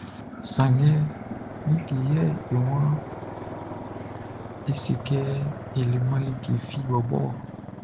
Sanngɛ ngue yɛ e waan é sé kɛ e leman like fi bɔbɔ ɔ?